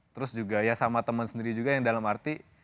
terus juga ya sama temen sendiri juga yang dalam arti